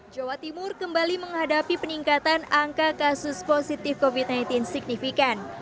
jawa timur kembali menghadapi peningkatan angka kasus positif covid sembilan belas signifikan